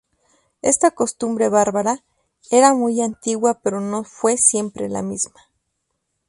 Esta costumbre bárbara era muy antigua pero no fue siempre la misma.